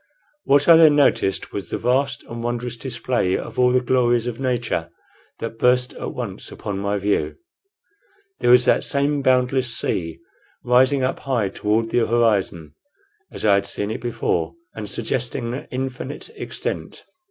What I then noticed was the vast and wondrous display of all the glories of nature that burst at once upon my view. There was that same boundless sea, rising up high toward the horizon, as I had seen it before, and suggesting infinite extent.